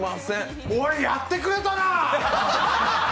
これ、やってくれたなぁ！